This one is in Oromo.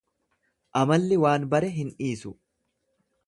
Amalli waan bare hin dhiisu.